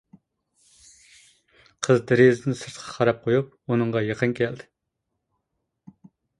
قىز دېرىزىدىن سىرتقا قاراپ قويۇپ، ئۇنىڭغا يېقىن كەلدى.